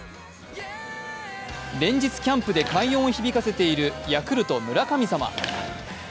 連日キャンプで快音を響かせているヤクルト・村神様。